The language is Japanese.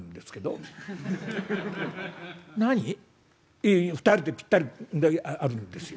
「いえ２人でぴったりだけあるんですよ」。